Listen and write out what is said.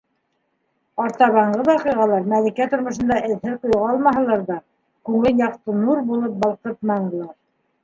Артабанғы ваҡиғалар Мәликә тормошонда эҙһеҙ юғалмаһалар ҙа, күңелен яҡты нур булып балҡытманылар.